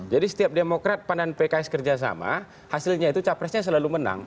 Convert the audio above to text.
jadi setiap demokrat pan dan pks kerjasama hasilnya itu capresnya selalu menang